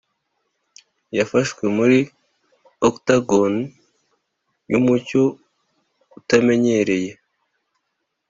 yafashwe muri octagon yumucyo utamenyereye,